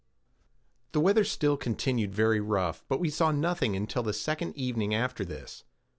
The weather still continued very rough, but we saw nothing until the second evening after this.